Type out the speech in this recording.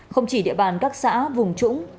không chỉ địa bàn các xã vùng trũng